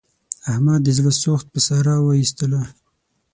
احمد د زړه سوخت په ساره و ایستلا.